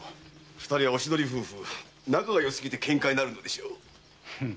二人はおしどり夫婦仲がよすぎてケンカになるのでしょう。